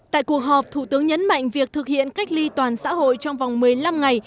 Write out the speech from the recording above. tại cuộc họp thủ tướng nhấn mạnh việc thực hiện cách ly toàn xã hội trong vòng một mươi năm ngày